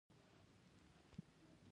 لارې پل لارې ټولي میینې